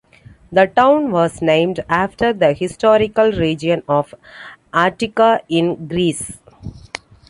The town was named after the historical region of Attica, in Greece.